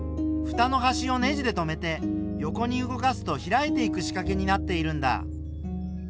ふたのはしをネジで留めて横に動かすとひらいていくしかけになっているんだ。